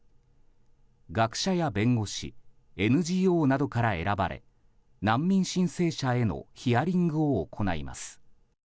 学者や弁護士ＮＧＯなどから選ばれ難民申請者へのヒアリングを行います。